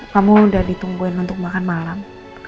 kamu udah ditungguin untuk makan malam